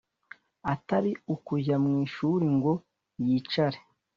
atari ukujya mu ishuri ngo yicare